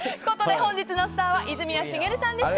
本日のスターは泉谷しげるさんでした。